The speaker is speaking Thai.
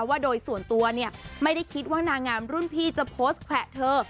ว่าโดยส่วนตัวเนี่ยไม่ได้คิดว่านางงามรุ่นพี่จะโพสต์แขวะเธอ